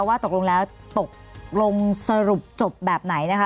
ว่าตกลงแล้วตกลงสรุปจบแบบไหนนะคะ